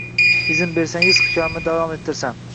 Izn bersangiz, hikoyamni davom ettirsam